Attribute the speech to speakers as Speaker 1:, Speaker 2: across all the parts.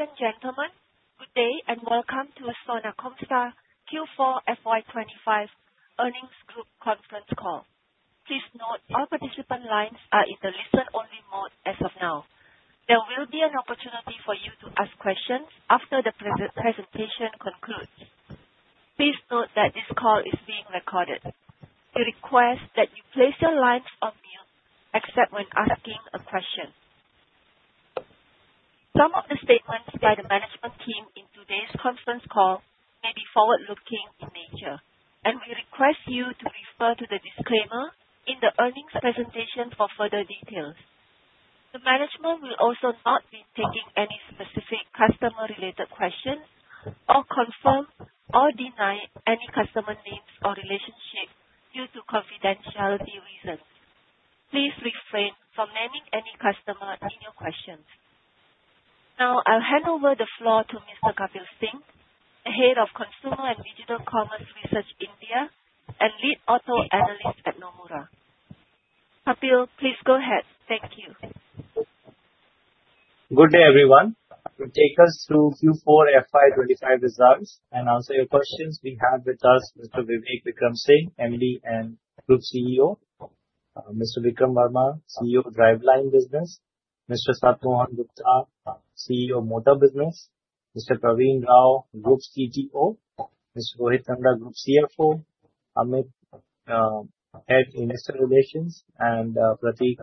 Speaker 1: Ladies and gentlemen, good day and welcome to Sona Comstar Q4 FY2025 Earnings Group Conference Call. Please note all participant lines are in the listen-only mode as of now. There will be an opportunity for you to ask questions after the presentation concludes. Please note that this call is being recorded. We request that you place your lines on mute except when asking a question. Some of the statements by the management team in today's conference call may be forward-looking in nature, and we request you to refer to the disclaimer in the earnings presentation for further details. The management will also not be taking any specific customer-related questions or confirm or deny any customer names or relationships due to confidentiality reasons. Please refrain from naming any customer in your questions. Now, I'll hand over the floor to Mr. Kapil Singh, the Head of Consumer and Digital Commerce Research India and Lead Auto Analyst at Nomura. Kapil, please go ahead. Thank you.
Speaker 2: Good day, everyone. We'll take us through Q4 FY2025 results and answer your questions. We have with us Mr. Vivek Vikram Singh, MD and Group CEO, Mr. Vikram Verma, CEO Driveline Business, Mr. Sat Mohan Gupta, CEO Motor Business, Mr. Praveen Rao, Group CTO, Mr. Rohit Nanda, Group CFO, Amit, Head, Investor Relations, and Prateek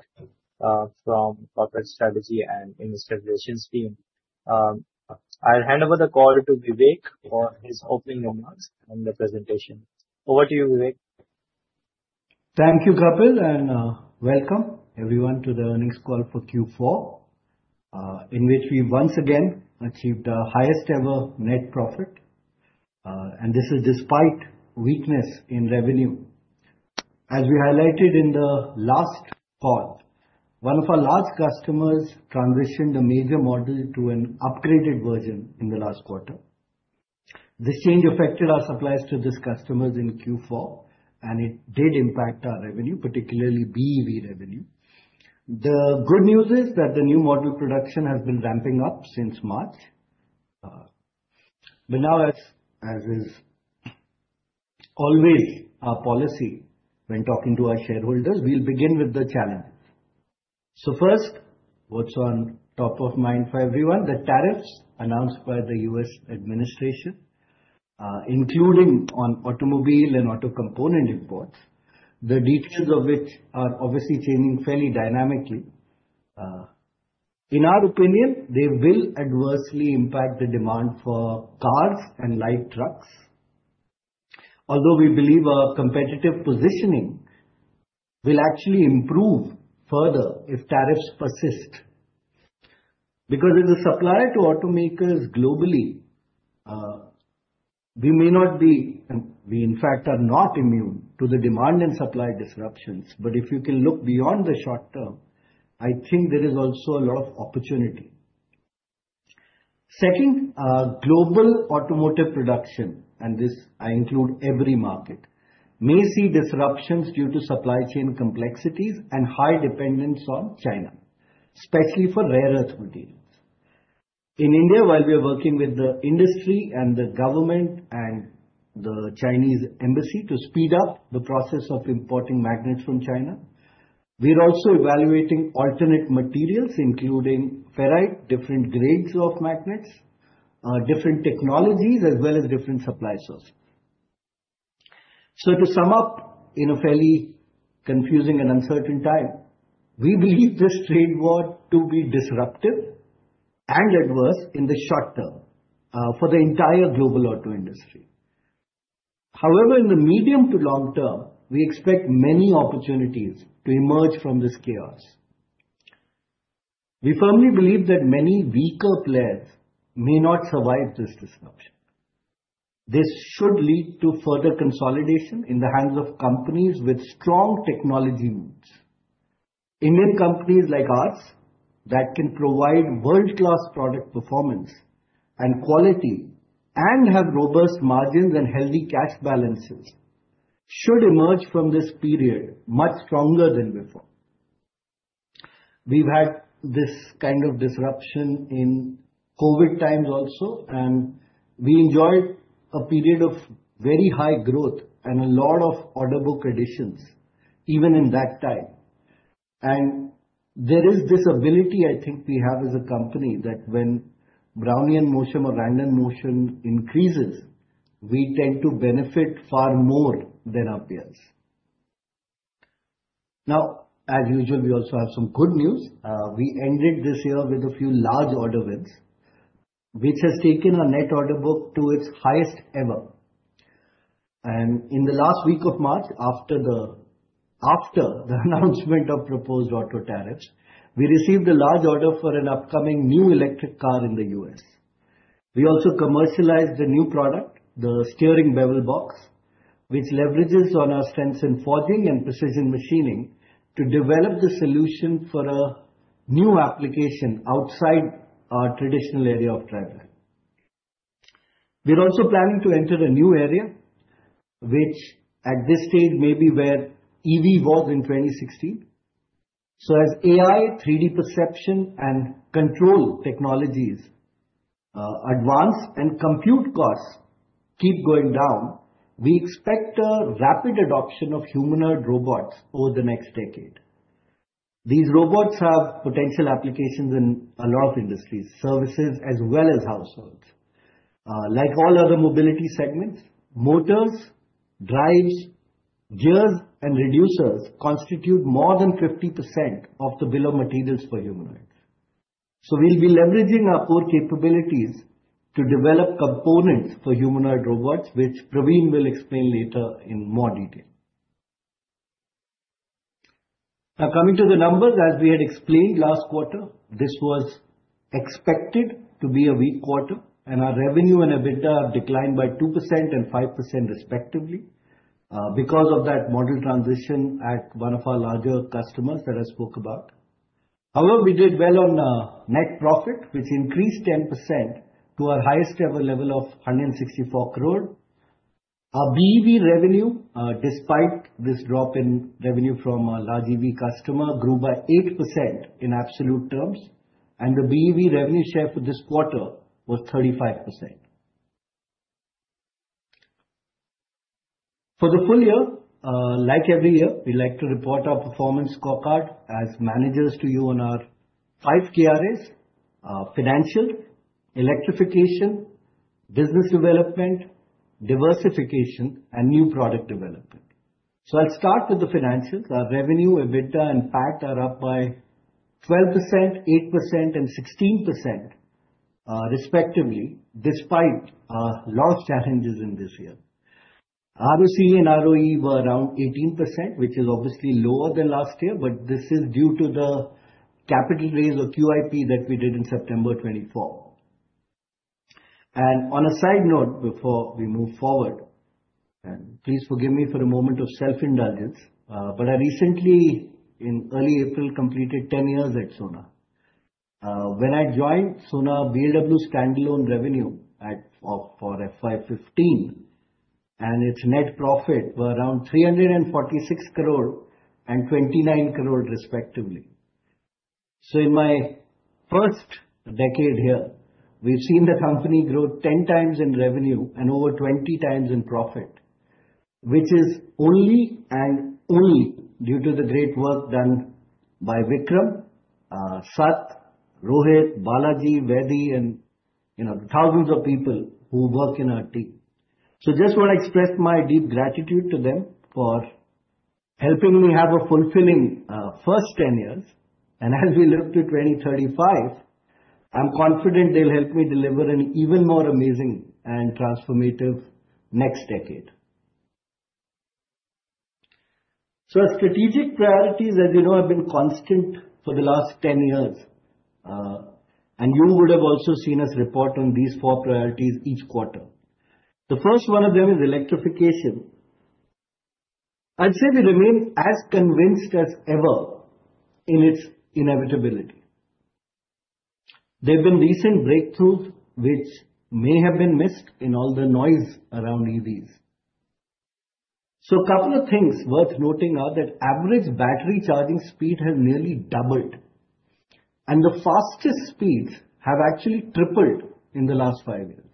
Speaker 2: from Corporate Strategy and Investor Relations Team. I'll hand over the call to Vivek for his opening remarks and the presentation. Over to you, Vivek.
Speaker 3: Thank you, Kapil, and welcome everyone to the earnings call for Q4, in which we once again achieved the highest-ever net profit, and this is despite weakness in revenue. As we highlighted in the last call, one of our large customers transitioned a major model to an upgraded version in the last quarter. This change affected our supplies to these customers in Q4, and it did impact our revenue, particularly BEV revenue. The good news is that the new model production has been ramping up since March. As is always our policy when talking to our shareholders, we will begin with the challenges. First, what is on top of mind for everyone? The tariffs announced by the U.S. administration, including on automobile and auto component imports, the details of which are obviously changing fairly dynamically. In our opinion, they will adversely impact the demand for cars and light trucks, although we believe our competitive positioning will actually improve further if tariffs persist. Because as a supplier to automakers globally, we may not be—we in fact are not immune to the demand and supply disruptions. If you can look beyond the short term, I think there is also a lot of opportunity. Second, global automotive production—and this I include every market—may see disruptions due to supply chain complexities and high dependence on China, especially for rare earth materials. In India, while we're working with the industry and the government and the Chinese embassy to speed up the process of importing magnets from China, we're also evaluating alternate materials, including ferrite, different grades of magnets, different technologies, as well as different supply sources. To sum up, in a fairly confusing and uncertain time, we believe this trade war to be disruptive and adverse in the short term for the entire global auto industry. However, in the medium to long term, we expect many opportunities to emerge from this chaos. We firmly believe that many weaker players may not survive this disruption. This should lead to further consolidation in the hands of companies with strong technology needs. Indian companies like ours that can provide world-class product performance and quality and have robust margins and healthy cash balances should emerge from this period much stronger than before. We've had this kind of disruption in COVID times also, and we enjoyed a period of very high growth and a lot of order book additions even in that time. There is this ability, I think, we have as a company that when Brownian motion or random motion increases, we tend to benefit far more than our peers. As usual, we also have some good news. We ended this year with a few large order wins, which has taken our net order book to its highest ever. In the last week of March, after the announcement of proposed auto tariffs, we received a large order for an upcoming new electric car in the U.S. We also commercialized the new product, the steering bevel box, which leverages on our strengths in forging and precision machining to develop the solution for a new application outside our traditional area of driveline. We are also planning to enter a new area, which at this stage may be where EV was in 2016. As AI, 3D perception, and control technologies advance and compute costs keep going down, we expect a rapid adoption of humanoid robots over the next decade. These robots have potential applications in a lot of industries, services, as well as households. Like all other mobility segments, motors, drives, gears, and reducers constitute more than 50% of the bill of materials for humanoids. We will be leveraging our core capabilities to develop components for humanoid robots, which Praveen will explain later in more detail. Now, coming to the numbers, as we had explained last quarter, this was expected to be a weak quarter, and our revenue and EBITDA have declined by 2% and 5% respectively because of that model transition at one of our larger customers that I spoke about. However, we did well on net profit, which increased 10% to our highest-ever level of 164 crore. Our BEV revenue, despite this drop in revenue from our large EV customer, grew by 8% in absolute terms, and the BEV revenue share for this quarter was 35%. For the full year, like every year, we like to report our performance scorecard as managers to you on our five KRAs: financial, electrification, business development, diversification, and new product development. I'll start with the financials. Our revenue, EBITDA, and PAT are up by 12%, 8%, and 16% respectively, despite our large challenges in this year. ROCE and ROE were around 18%, which is obviously lower than last year, but this is due to the capital raise or QIP that we did in September 2024. On a side note before we move forward, and please forgive me for a moment of self-indulgence, but I recently, in early April, completed 10 years at Sona. When I joined Sona BLW standalone revenue for FY2015 and its net profit were around 346 crore and 29 crore respectively. In my first decade here, we've seen the company grow 10 times in revenue and over 20 times in profit, which is only and only due to the great work done by Vikram, Sat, Rohit, Balaji, Virdi, and thousands of people who work in our team. I just want to express my deep gratitude to them for helping me have a fulfilling first 10 years. As we look to 2035, I'm confident they'll help me deliver an even more amazing and transformative next decade. Our strategic priorities, as you know, have been constant for the last 10 years, and you would have also seen us report on these four priorities each quarter. The first one of them is electrification. I'd say we remain as convinced as ever in its inevitability. There have been recent breakthroughs which may have been missed in all the noise around EVs. A couple of things worth noting are that average battery charging speed has nearly doubled, and the fastest speeds have actually tripled in the last five years.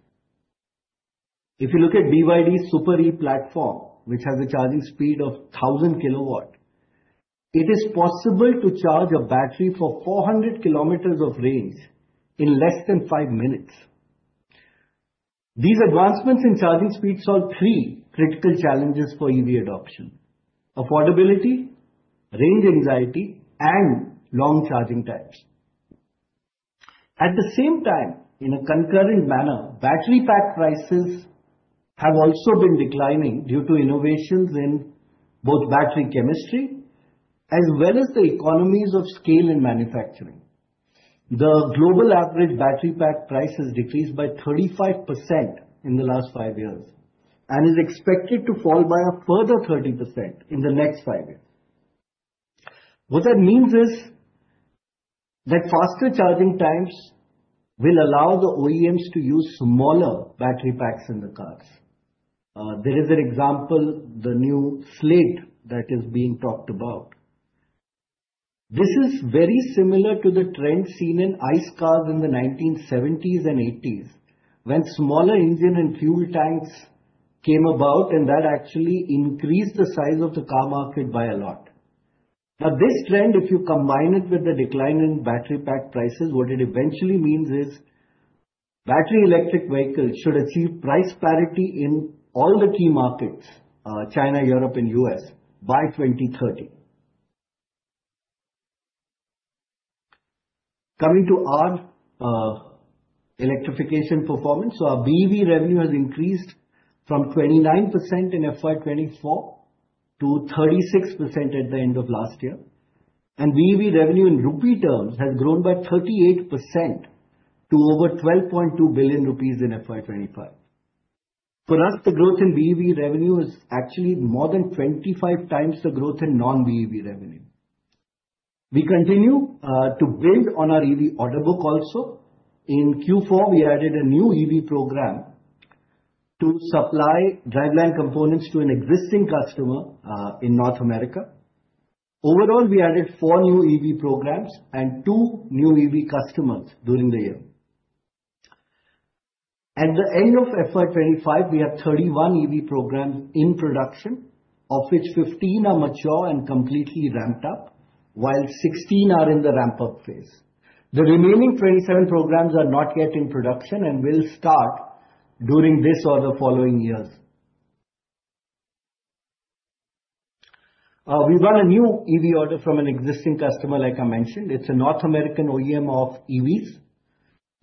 Speaker 3: If you look at BYD's e-Platform 3.0, which has a charging speed of 1,000 kW, it is possible to charge a battery for 400 km of range in less than five minutes. These advancements in charging speed solve three critical challenges for EV adoption: affordability, range anxiety, and long charging times. At the same time, in a concurrent manner, battery pack prices have also been declining due to innovations in both battery chemistry as well as the economies of scale in manufacturing. The global average battery pack price has decreased by 35% in the last five years and is expected to fall by a further 30% in the next five years. What that means is that faster charging times will allow the OEMs to use smaller battery packs in the cars. There is an example, the Neue Klasse that is being talked about. This is very similar to the trend seen in ICE cars in the 1970s and 1980s when smaller engine and fuel tanks came about, and that actually increased the size of the car market by a lot. Now, this trend, if you combine it with the decline in battery pack prices, what it eventually means is battery electric vehicles should achieve price parity in all the key markets, China, Europe, and U.S., by 2030. Coming to our electrification performance, our BEV revenue has increased from 29% in FY2024 to 36% at the end of last year, and BEV revenue in rupee terms has grown by 38% to over 12.2 billion rupees in FY2025. For us, the growth in BEV revenue is actually more than 25 times the growth in non-BEV revenue. We continue to build on our EV order book also. In Q4, we added a new EV program to supply driveline components to an existing customer in North America. Overall, we added four new EV programs and two new EV customers during the year. At the end of FY2025, we have 31 EV programs in production, of which 15 are mature and completely ramped up, while 16 are in the ramp-up phase. The remaining 27 programs are not yet in production and will start during this or the following years. We've got a new EV order from an existing customer, like I mentioned. It's a North American OEM of EVs.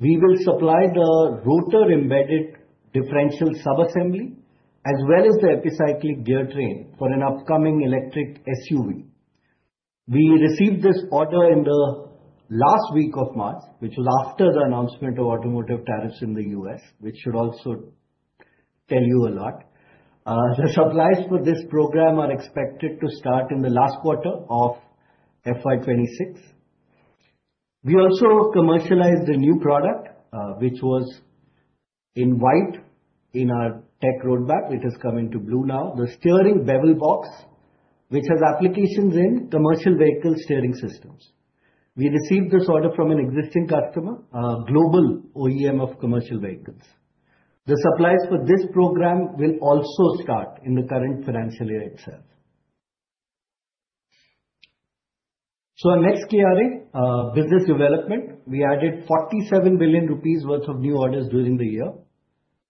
Speaker 3: We will supply the rotor-embedded differential subassembly as well as the epicyclic gear train for an upcoming electric SUV. We received this order in the last week of March, which was after the announcement of automotive tariffs in the U.S., which should also tell you a lot. The supplies for this program are expected to start in the last quarter of FY2026. We also commercialized a new product, which was in white in our tech roadmap. It has come into blue now, the steering bevel box, which has applications in commercial vehicle steering systems. We received this order from an existing customer, a global OEM of commercial vehicles. The supplies for this program will also start in the current financial year itself. Our next KRA, business development, we added 47 billion rupees worth of new orders during the year.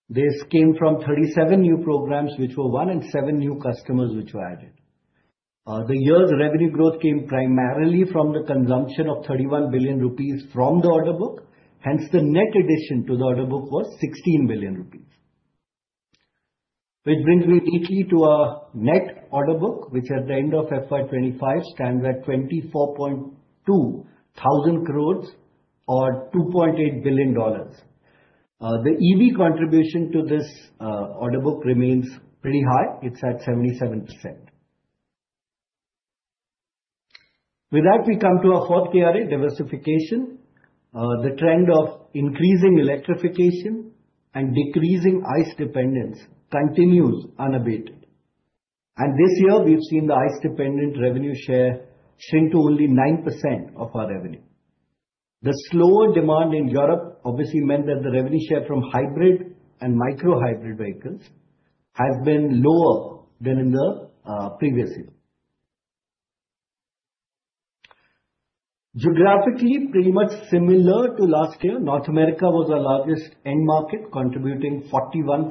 Speaker 3: This came from 37 new programs, which were won, and seven new customers which were added. The year's revenue growth came primarily from the consumption of 31 billion rupees from the order book. Hence, the net addition to the order book was 16 billion rupees, which brings me neatly to our net order book, which at the end of FY2025 stands at 24,200 crores or $2.8 billion. The EV contribution to this order book remains pretty high. It is at 77%. With that, we come to our fourth KRA, diversification. The trend of increasing electrification and decreasing ICE dependence continues unabated. This year, we have seen the ICE dependent revenue share shrink to only 9% of our revenue. The slower demand in Europe obviously meant that the revenue share from hybrid and micro-hybrid vehicles has been lower than in the previous year. Geographically, pretty much similar to last year, North America was our largest end market, contributing 41%.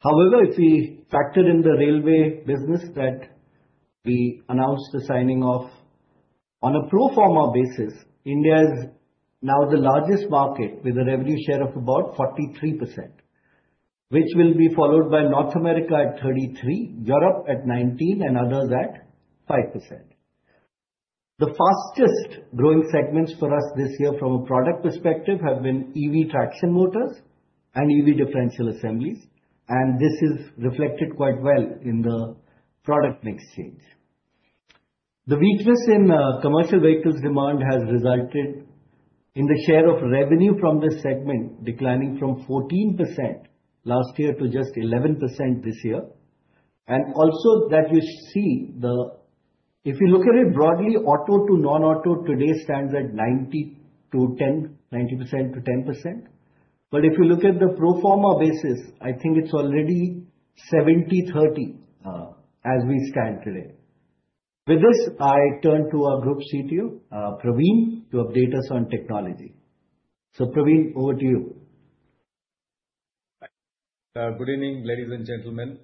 Speaker 3: However, if we factor in the railway business that we announced the signing of on a pro forma basis, India is now the largest market with a revenue share of about 43%, which will be followed by North America at 33%, Europe at 19%, and others at 5%. The fastest growing segments for us this year from a product perspective have been EV traction motors and EV differential assemblies, and this is reflected quite well in the product mix change. The weakness in commercial vehicles demand has resulted in the share of revenue from this segment declining from 14% last year to just 11% this year. If you look at it broadly, auto to non-auto today stands at 90% - 10%. If you look at the pro forma basis, I think it's already 70%-30% as we stand today. With this, I turn to our Group CTO, Praveen, to update us on technology. Praveen, over to you.
Speaker 4: Good evening, ladies and gentlemen.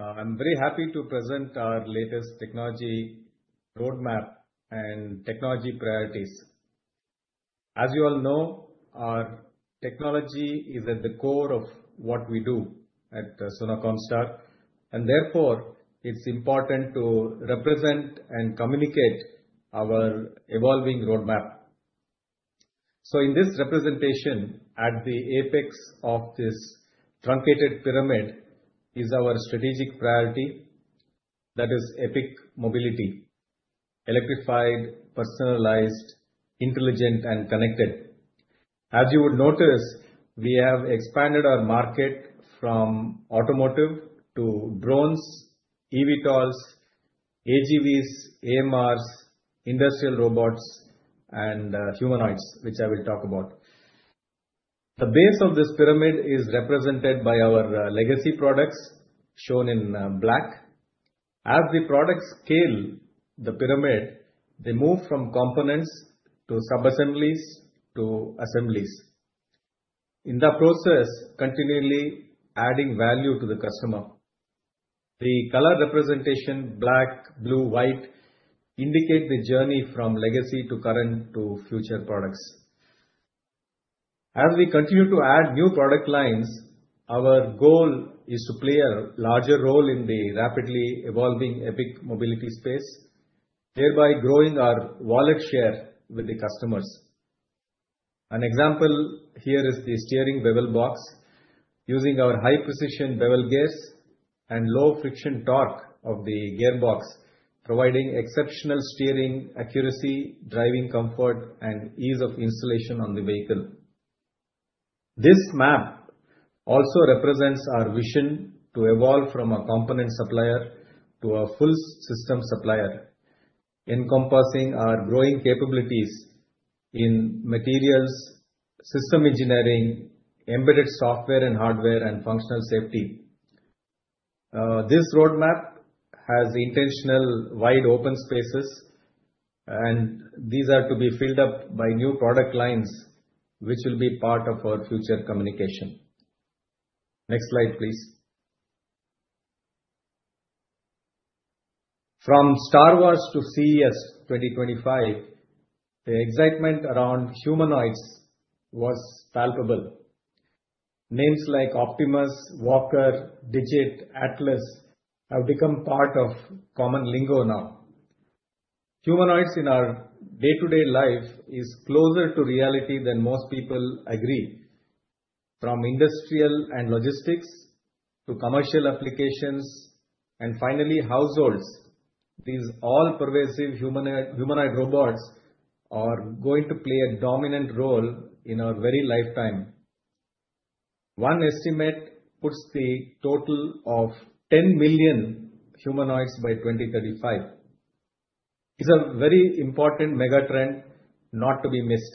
Speaker 4: I'm very happy to present our latest technology roadmap and technology priorities. As you all know, our technology is at the core of what we do at Sona Comstar, and therefore it's important to represent and communicate our evolving roadmap. In this representation, at the apex of this truncated pyramid is our strategic priority that is EPIC Mobility, electrified, personalized, intelligent, and connected. As you would notice, we have expanded our market from automotive to drones, EVTOLs, AGVs, AMRs, industrial robots, and humanoids, which I will talk about. The base of this pyramid is represented by our legacy products shown in black. As the products scale the pyramid, they move from components to subassemblies to assemblies. In the process, continually adding value to the customer. The color representation, black, blue, white, indicate the journey from legacy to current to future products. As we continue to add new product lines, our goal is to play a larger role in the rapidly evolving EPIC Mobility space, thereby growing our wallet share with the customers. An example here is the steering bevel box using our high precision bevel gears and low friction torque of the gearbox, providing exceptional steering accuracy, driving comfort, and ease of installation on the vehicle. This map also represents our vision to evolve from a component supplier to a full system supplier, encompassing our growing capabilities in materials, system engineering, embedded software and hardware, and functional safety. This roadmap has intentional wide open spaces, and these are to be filled up by new product lines, which will be part of our future communication. Next slide, please. From Star Wars to CES 2025, the excitement around humanoids was palpable. Names like Optimus, Walker, Digit, Atlas have become part of common lingo now. Humanoids in our day-to-day life is closer to reality than most people agree. From industrial and logistics to commercial applications and finally households, these all-pervasive humanoid robots are going to play a dominant role in our very lifetime. One estimate puts the total of 10 million humanoids by 2035. It's a very important mega trend not to be missed.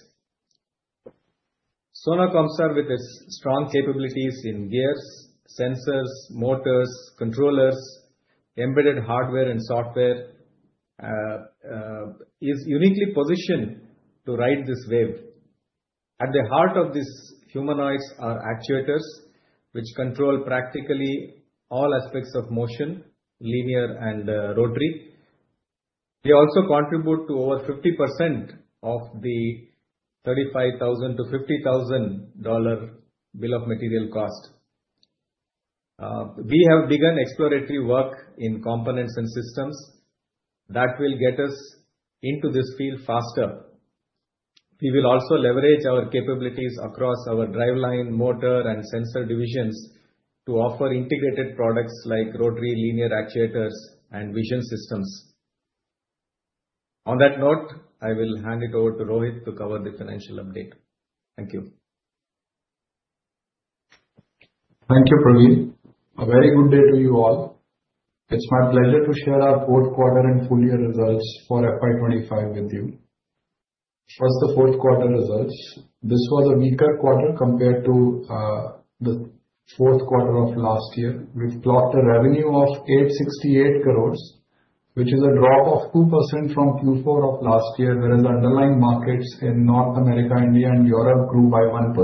Speaker 4: Sona Comstar, with its strong capabilities in gears, sensors, motors, controllers, embedded hardware, and software, is uniquely positioned to ride this wave. At the heart of these humanoids are actuators, which control practically all aspects of motion, linear and rotary. They also contribute to over 50% of the $35,000-$50,000 bill of material cost. We have begun exploratory work in components and systems that will get us into this field faster. We will also leverage our capabilities across our driveline, motor, and sensor divisions to offer integrated products like rotary, linear actuators, and vision systems. On that note, I will hand it over to Rohit to cover the financial update. Thank you.
Speaker 5: Thank you, Praveen. A very good day to you all. It's my pleasure to share our fourth quarter and full year results for FY2025 with you. First, the fourth quarter results. This was a weaker quarter compared to the fourth quarter of last year. We've clocked a revenue of 868 crore, which is a drop of 2% from Q4 of last year, whereas underlying markets in North America, India, and Europe grew by 1%.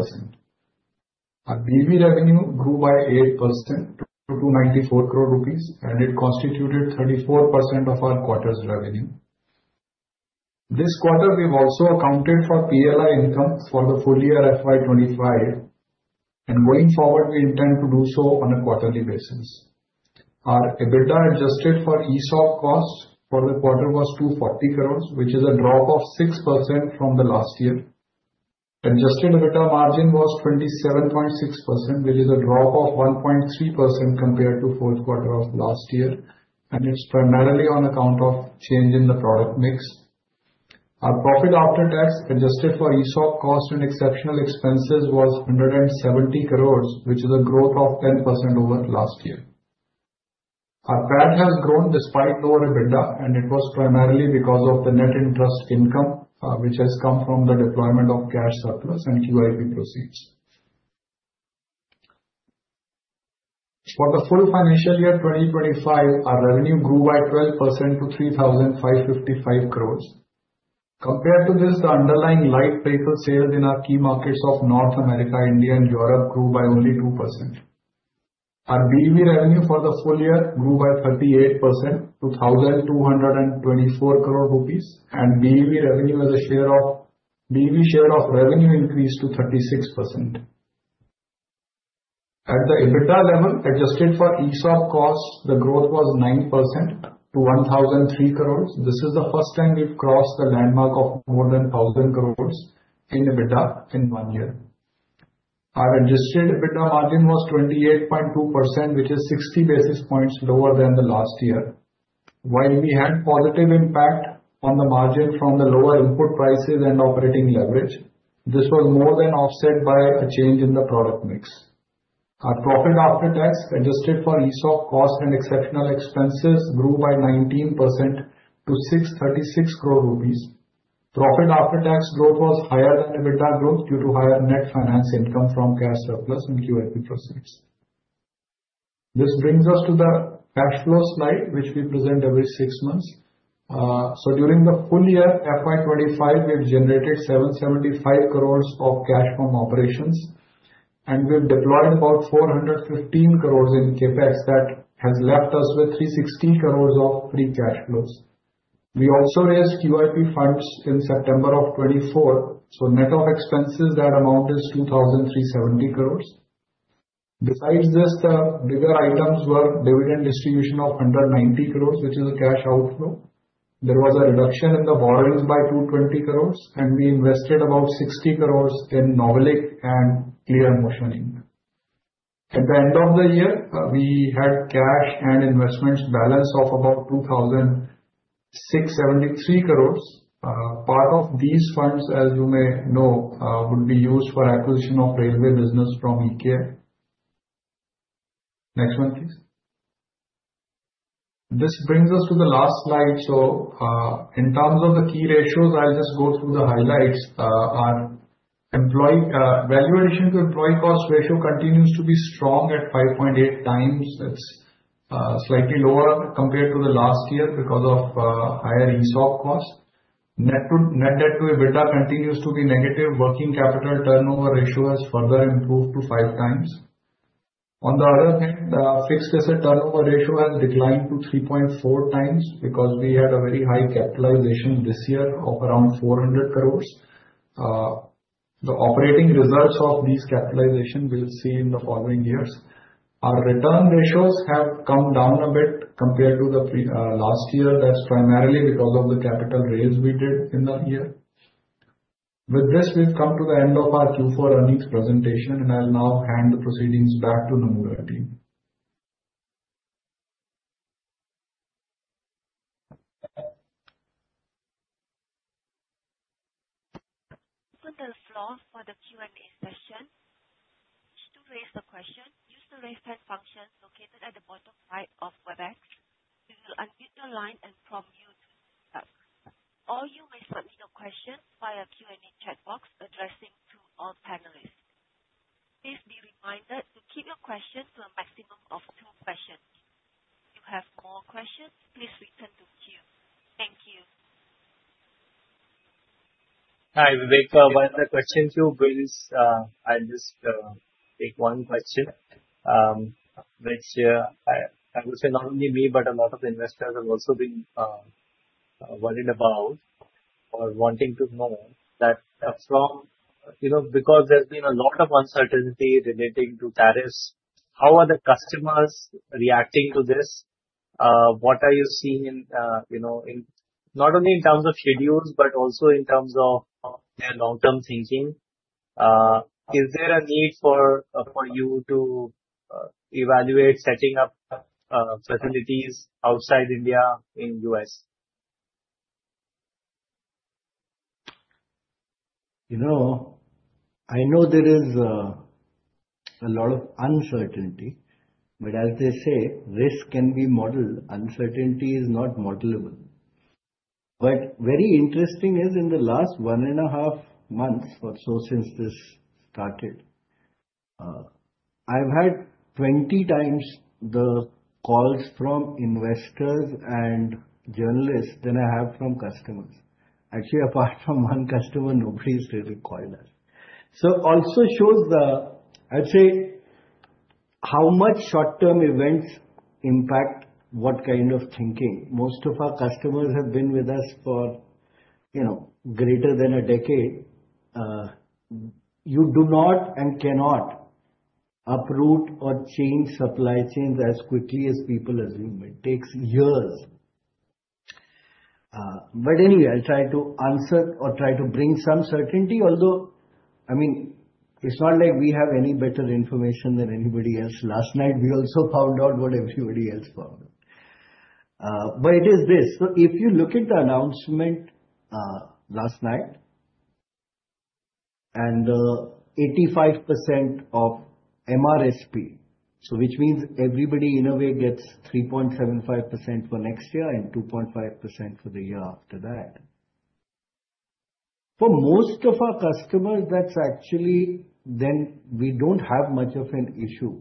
Speaker 5: Our BEV revenue grew by 8% to 294 crore rupees, and it constituted 34% of our quarter's revenue. This quarter, we've also accounted for PLI income for the full year FY 2025, and going forward, we intend to do so on a quarterly basis. Our EBITDA adjusted for ESOP cost for the quarter was 240 crore, which is a drop of 6% from the last year. Adjusted EBITDA margin was 27.6%, which is a drop of 1.3% compared to fourth quarter of last year, and it's primarily on account of change in the product mix. Our profit after tax adjusted for ESOP cost and exceptional expenses was 170 crore, which is a growth of 10% over last year. Our PAT has grown despite lower EBITDA, and it was primarily because of the net interest income, which has come from the deployment of cash surplus and QIP proceeds. For the full financial year 2025, our revenue grew by 12% to 3,555 crore. Compared to this, the underlying light vehicle sales in our key markets of North America, India, and Europe grew by only 2%. Our BEV revenue for the full year grew by 38% to 1,224 crore rupees, and BEV revenue as a share of revenue increased to 36%. At the EBITDA level adjusted for ESOP cost, the growth was 9% to 1,003 crore. This is the first time we've crossed the landmark of more than 1,000 crore in EBITDA in one year. Our adjusted EBITDA margin was 28.2%, which is 60 basis points lower than the last year. While we had positive impact on the margin from the lower input prices and operating leverage, this was more than offset by a change in the product mix. Our profit after tax adjusted for ESOP cost and exceptional expenses grew by 19% to 636 crore rupees. Profit after tax growth was higher than EBITDA growth due to higher net finance income from cash surplus and QIP proceeds. This brings us to the cash flow slide, which we present every six months. During the full year FY2025, we have generated 775 crore of cash from operations, and we have deployed about 415 crore in CAPEX that has left us with 360 crore of free cash flows. We also raised QIP funds in September of 2024, so net of expenses, that amount is 2,370 crore. Besides this, the bigger items were dividend distribution of 190 crores, which is a cash outflow. There was a reduction in the borrowings by 220 crores, and we invested about 60 crores in Novelic and ClearMotion Inc. At the end of the year, we had cash and investments balance of about 2,673 crores. Part of these funds, as you may know, would be used for acquisition of railway business from EKL. Next one, please. This brings us to the last slide. In terms of the key ratios, I'll just go through the highlights. Our value addition to employee cost ratio continues to be strong at 5.8 times. It is slightly lower compared to the last year because of higher ESOP cost. Net debt to EBITDA continues to be negative. Working capital turnover ratio has further improved to five times. On the other hand, the fixed asset turnover ratio has declined to 3.4 times because we had a very high capitalization this year of around 400 crore. The operating results of these capitalizations we'll see in the following years. Our return ratios have come down a bit compared to the last year. That's primarily because of the capital raise we did in the year. With this, we've come to the end of our Q4 earnings presentation, and I'll now hand the proceedings back to Nomura team.
Speaker 1: Open the floor for the Q&A session. To raise the question, use the raise hand function located at the bottom right of Webex. We will unmute your line and promote you to speak up. You may submit your question via Q&A chat box addressing to all panelists. Please be reminded to keep your question to a maximum of two questions. If you have more questions, please return to queue. Thank you.
Speaker 2: Hi, Vivek. One of the questions you bring is, I'll just take one question, which I would say not only me, but a lot of investors have also been worried about or wanting to know that from, you know, because there's been a lot of uncertainty relating to tariffs, how are the customers reacting to this? What are you seeing in, you know, not only in terms of schedules, but also in terms of their long-term thinking? Is there a need for you to evaluate setting up facilities outside India in the U.S.?
Speaker 3: You know, I know there is a lot of uncertainty, but as they say, risk can be modeled. Uncertainty is not modelable. Very interesting is in the last one and a half months or so since this started, I've had 20 times the calls from investors and journalists than I have from customers. Actually, apart from one customer, nobody has really called us. It also shows, I'd say, how much short-term events impact what kind of thinking. Most of our customers have been with us for, you know, greater than a decade. You do not and cannot uproot or change supply chains as quickly as people assume. It takes years. Anyway, I'll try to answer or try to bring some certainty, although, I mean, it's not like we have any better information than anybody else. Last night, we also found out what everybody else found out. It is this. If you look at the announcement last night, and 85% of MSRP, which means everybody in a way gets 3.75% for next year and 2.5% for the year after that. For most of our customers, that's actually then we don't have much of an issue.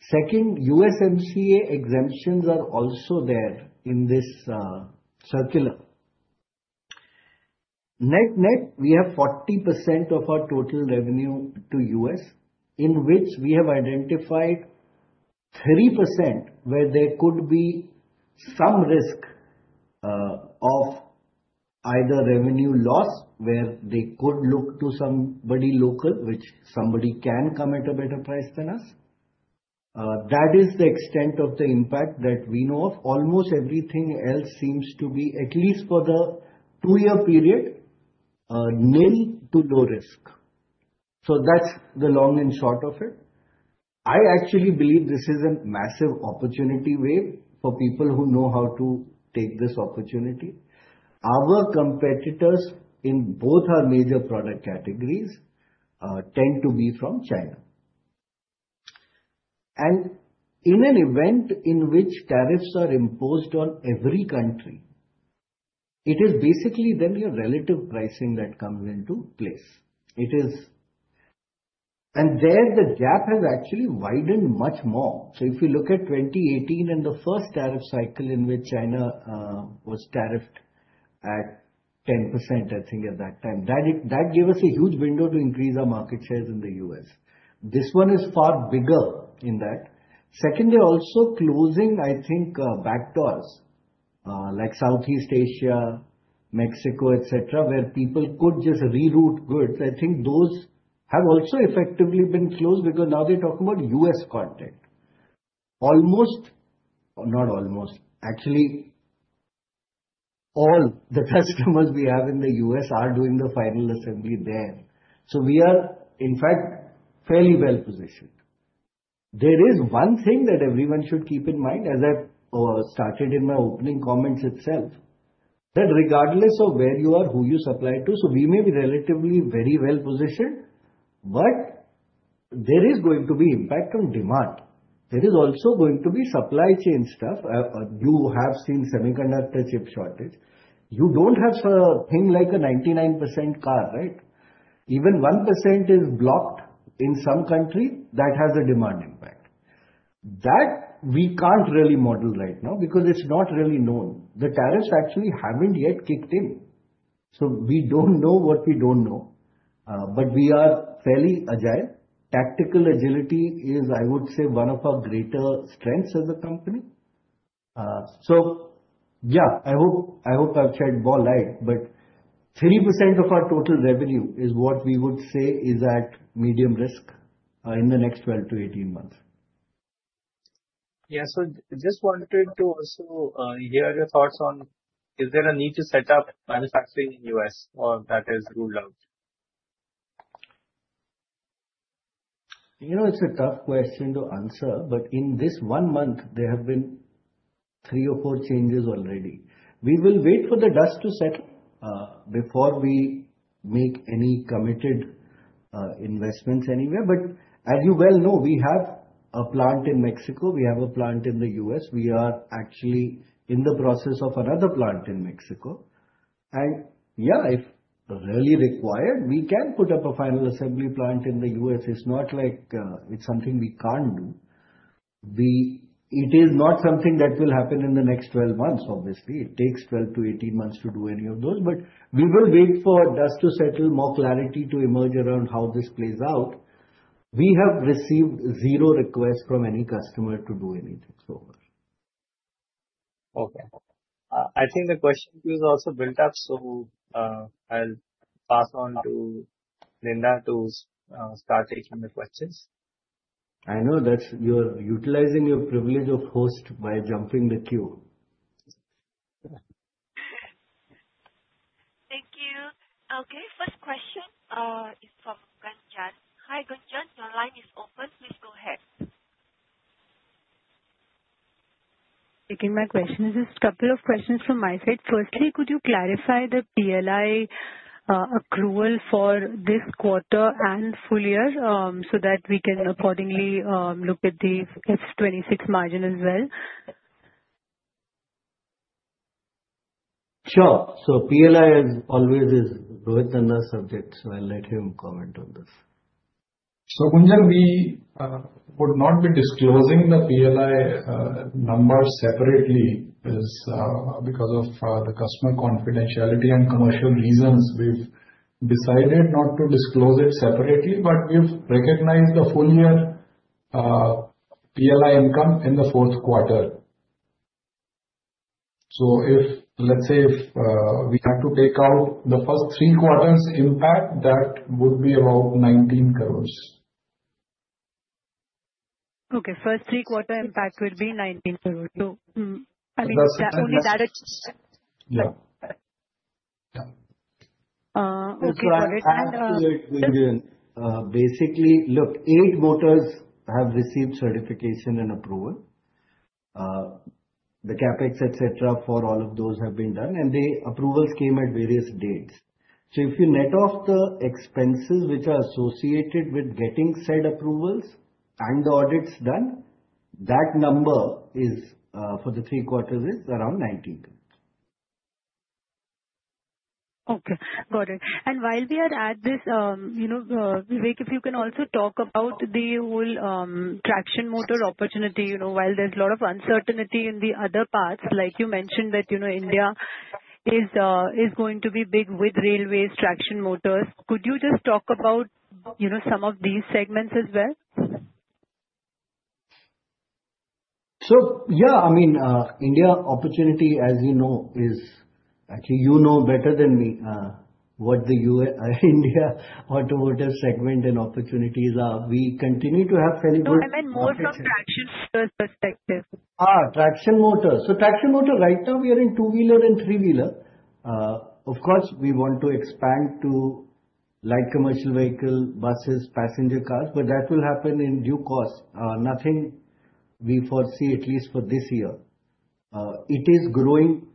Speaker 3: Second, USMCA exemptions are also there in this circular. Net net, we have 40% of our total revenue to the U.S., in which we have identified 3% where there could be some risk of either revenue loss where they could look to somebody local, which somebody can come at a better price than us. That is the extent of the impact that we know of. Almost everything else seems to be, at least for the two-year period, near to low risk. That's the long and short of it. I actually believe this is a massive opportunity wave for people who know how to take this opportunity. Our competitors in both our major product categories tend to be from China. In an event in which tariffs are imposed on every country, it is basically then your relative pricing that comes into place. It is. There the gap has actually widened much more. If you look at 2018 and the first tariff cycle in which China was tariffed at 10%, I think at that time, that gave us a huge window to increase our market shares in the U.S. This one is far bigger in that. Second, they are also closing, I think, backdoors like Southeast Asia, Mexico, etc., where people could just reroute goods. I think those have also effectively been closed because now they are talking about U.S. content. Almost, not almost, actually all the customers we have in the U.S. are doing the final assembly there. We are, in fact, fairly well positioned. There is one thing that everyone should keep in mind, as I started in my opening comments itself, that regardless of where you are, who you supply to, we may be relatively very well positioned, but there is going to be impact on demand. There is also going to be supply chain stuff. You have seen semiconductor chip shortage. You do not have a thing like a 99% car, right? Even 1% is blocked in some country that has a demand impact. That we cannot really model right now because it is not really known. The tariffs actually have not yet kicked in. We do not know what we do not know, but we are fairly agile. Tactical agility is, I would say, one of our greater strengths as a company. Yeah, I hope I've shed more light, but 3% of our total revenue is what we would say is at medium risk in the next 12-18 months.
Speaker 2: Yeah, just wanted to also hear your thoughts on, is there a need to set up manufacturing in the U.S. or that has ruled out?
Speaker 3: You know, it's a tough question to answer, but in this one month, there have been three or four changes already. We will wait for the dust to settle before we make any committed investments anywhere. As you well know, we have a plant in Mexico. We have a plant in the U.S. We are actually in the process of another plant in Mexico. Yeah, if really required, we can put up a final assembly plant in the U.S. It's not like it's something we can't do. It is not something that will happen in the next 12 months, obviously. It takes 12-18 months to do any of those, but we will wait for dust to settle, more clarity to emerge around how this plays out. We have received zero requests from any customer to do anything so far.
Speaker 2: Okay. I think the question queue is also built up, so I'll pass on to Linda to start taking the questions.
Speaker 3: I know that you're utilizing your privilege of host by jumping the queue.
Speaker 1: Thank you. Okay, first question is from Gunjan. Hi, Gunjan, your line is open. Please go ahead.
Speaker 6: Taking my questions. Just a couple of questions from my side. Firstly, could you clarify the PLI accrual for this quarter and full year so that we can accordingly look at the F2026 margin as well?
Speaker 3: Sure. PLI as always is Rohit's subject, so I'll let him comment on this.
Speaker 5: Gunjan, we would not be disclosing the PLI number separately because of the customer confidentiality and commercial reasons. We've decided not to disclose it separately, but we've recognized the full year PLI income in the fourth quarter. If, let's say, if we had to take out the first three quarters' impact, that would be about INR 19 crore.
Speaker 6: Okay, first three quarter impact would be 19 crore. I mean, only that. Yeah. Okay, got it.
Speaker 3: Basically, look, eight motors have received certification and approval. The CapEx, etc., for all of those have been done, and the approvals came at various dates. If you net off the expenses which are associated with getting said approvals and the audits done, that number for the three quarters is around 19 crore.
Speaker 6: Okay, got it. While we are at this, Vivek, if you can also talk about the whole traction motor opportunity, you know, while there is a lot of uncertainty in the other parts, like you mentioned that, you know, India is going to be big with railways, traction motors. Could you just talk about, you know, some of these segments as well?
Speaker 3: Yeah, I mean, India opportunity, as you know, is actually, you know better than me what the India automotive segment and opportunities are. We continue to have fairly good.
Speaker 6: I meant more from traction motors perspective.
Speaker 3: Traction motors. Traction motor, right now we are in two-wheeler and three-wheeler. Of course, we want to expand to light commercial vehicles, buses, passenger cars, but that will happen in due course. Nothing we foresee, at least for this year. It is growing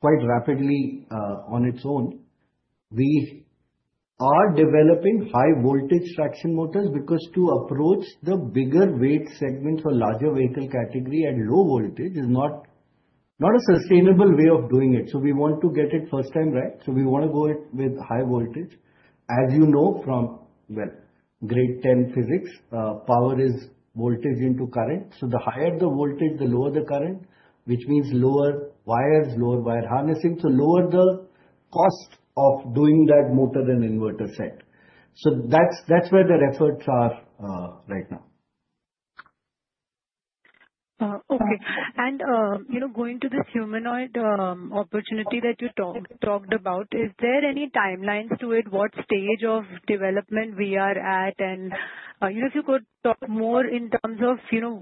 Speaker 3: quite rapidly on its own. We are developing high-voltage traction motors because to approach the bigger weight segment for larger vehicle category at low voltage is not a sustainable way of doing it. We want to get it first time right. We want to go with high voltage. As you know from, well, grade 10 physics, power is voltage into current. The higher the voltage, the lower the current, which means lower wires, lower wire harnessing, so lower the cost of doing that motor and inverter set. That is where the efforts are right now.
Speaker 6: Okay. You know, going to this humanoid opportunity that you talked about, is there any timelines to it? What stage of development we are at? You know, if you could talk more in terms of, you know,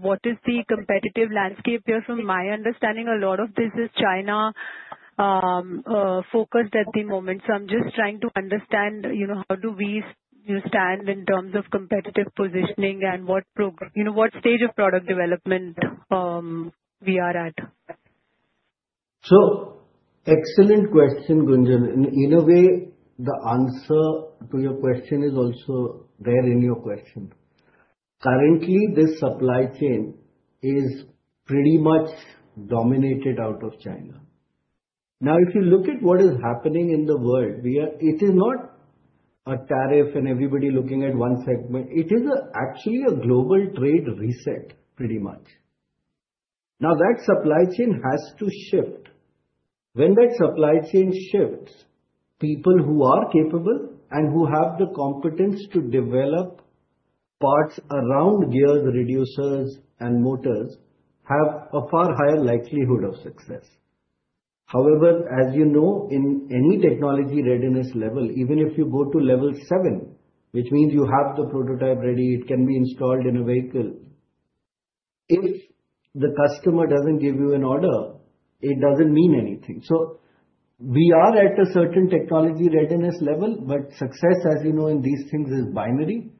Speaker 6: what is the competitive landscape here? From my understanding, a lot of this is China-focused at the moment. I am just trying to understand, you know, how do we, you know, stand in terms of competitive positioning and what, you know, what stage of product development we are at?
Speaker 3: Excellent question, Gunjan. In a way, the answer to your question is also there in your question. Currently, this supply chain is pretty much dominated out of China. Now, if you look at what is happening in the world, it is not a tariff and everybody looking at one segment. It is actually a global trade reset, pretty much. That supply chain has to shift. When that supply chain shifts, people who are capable and who have the competence to develop parts around gears, reducers, and motors have a far higher likelihood of success. However, as you know, in any technology readiness level, even if you go to level seven, which means you have the prototype ready, it can be installed in a vehicle. If the customer doesn't give you an order, it doesn't mean anything. We are at a certain technology readiness level, but success, as you know, in these things is binary.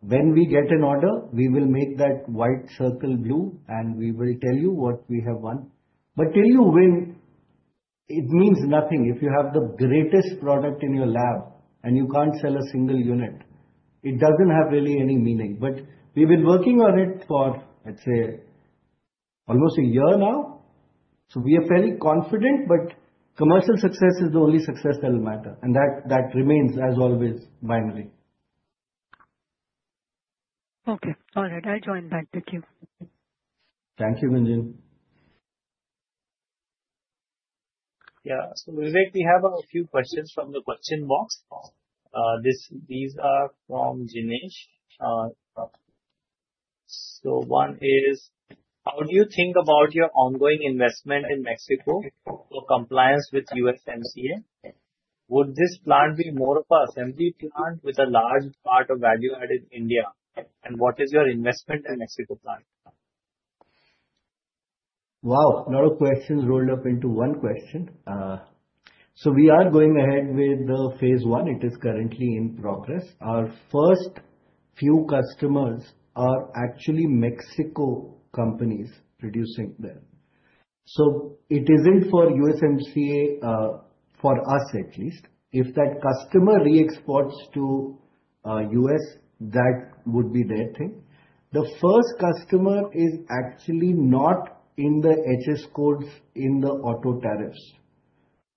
Speaker 3: When we get an order, we will make that white circle blue, and we will tell you what we have won. Tell you when, it means nothing. If you have the greatest product in your lab and you can't sell a single unit, it doesn't have really any meaning. But we've been working on it for, let's say, almost a year now. We are fairly confident, but commercial success is the only success that will matter. That remains, as always, binary.
Speaker 6: Okay. All right. I'll join back. Thank you.
Speaker 3: Thank you, Gunjan.
Speaker 2: Yeah. Vivek, we have a few questions from the question box. These are from Dinesh. One is, how do you think about your ongoing investment in Mexico for compliance with USMCA? Would this plant be more of an assembly plant with a large part of value added in India? What is your investment in the Mexico plant?
Speaker 3: Wow, a lot of questions rolled up into one question. We are going ahead with phase one. It is currently in progress. Our first few customers are actually Mexico companies producing there. It is not for USMCA, for us at least. If that customer re-exports to the U.S., that would be their thing. The first customer is actually not in the HS codes in the auto tariffs.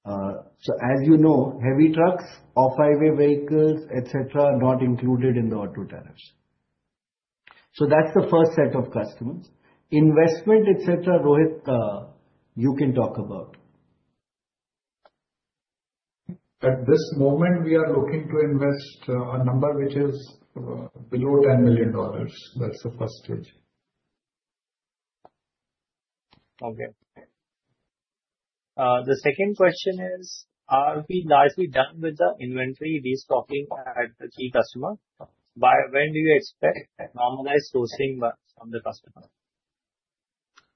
Speaker 3: As you know, heavy trucks, off-highway vehicles, etc., are not included in the auto tariffs. That is the first set of customers. Investment, etc., Rohit, you can talk about.
Speaker 5: At this moment, we are looking to invest a number which is below $10 million. That is the first stage.
Speaker 2: Okay. The second question is, are we largely done with the inventory restocking at the key customer? When do you expect normalized sourcing from the customer?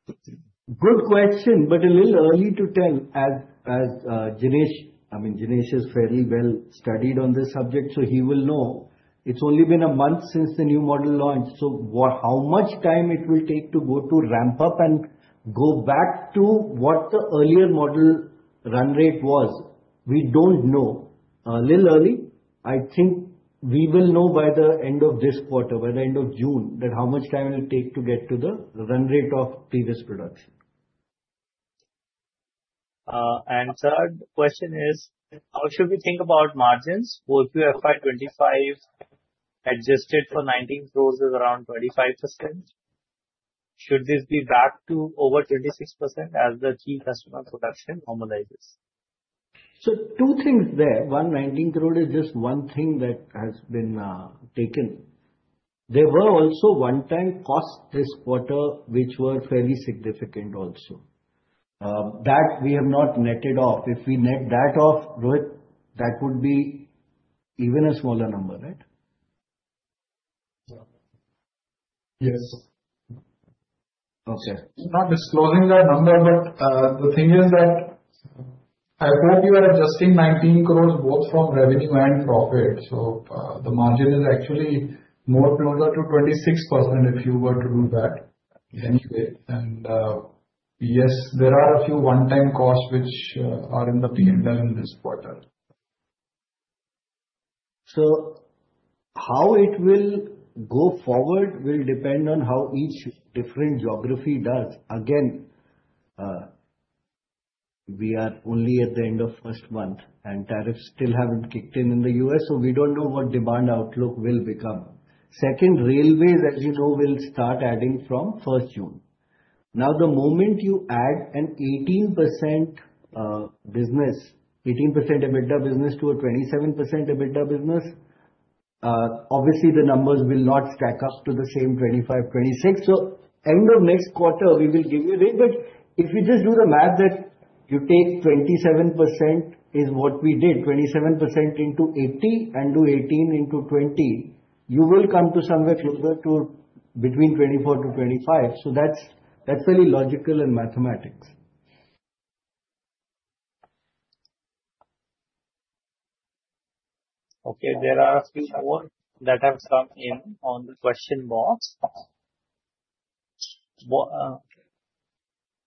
Speaker 3: Good question, but a little early to tell. As Dinesh, I mean, Dinesh is fairly well studied on this subject, so he will know. It has only been a month since the new model launched. How much time it will take to go to ramp up and go back to what the earlier model run rate was? We do not know. A little early. I think we will know by the end of this quarter, by the end of June, that how much time it will take to get to the run rate of previous production.
Speaker 2: Third question is, how should we think about margins? If you have FY2025 adjusted for 19 crores, it is around 25%. Should this be back to over 26% as the key customer production normalizes?
Speaker 3: Two things there. One, 19 crores is just one thing that has been taken. There were also one-time costs this quarter, which were fairly significant also. That we have not netted off. If we net that off, Rohit, that would be even a smaller number, right?
Speaker 5: Yes.
Speaker 3: Okay.
Speaker 5: Not disclosing that number, but the thing is that I hope you are adjusting INR 19 crores both from revenue and profit. The margin is actually more closer to 26% if you were to do that anyway. Yes, there are a few one-time costs which are in the P&L in this quarter.
Speaker 3: How it will go forward will depend on how each different geography does. Again, we are only at the end of first month, and tariffs still have not kicked in in the U.S., so we do not know what demand outlook will become. Second, railways, as you know, will start adding from first June. Now, the moment you add an 18% business, 18% EBITDA business to a 27% EBITDA business, obviously the numbers will not stack up to the same 25%-26%. End of next quarter, we will give you a date. If you just do the math, that you take 27% is what we did, 27% into 80% and do 18% into 20%, you will come to somewhere closer to between 24%-25%. That's fairly logical and mathematics.
Speaker 2: There are a few more that have come in on the question box.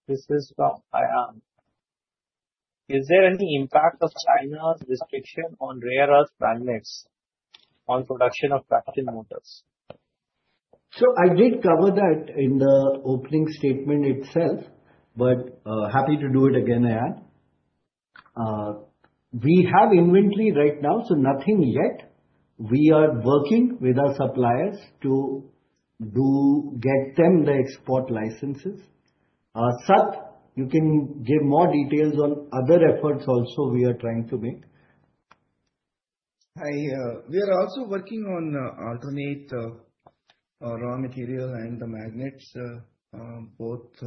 Speaker 2: This is from Ayan. Is there any impact of China's restriction on rare earth magnets on production of traction motors?
Speaker 3: I did cover that in the opening statement itself, but happy to do it again, Ayan. We have inventory right now, so nothing yet. We are working with our suppliers to get them the export licenses. Sat, you can give more details on other efforts also we are trying to make.
Speaker 7: We are also working on alternate raw material and the magnets, both